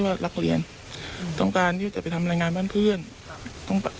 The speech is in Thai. มันก็ว่าถ้าอยากมาหาแม่ก็